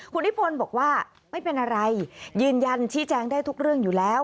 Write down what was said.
คุณนิพนธ์บอกว่าไม่เป็นอะไรยืนยันชี้แจงได้ทุกเรื่องอยู่แล้ว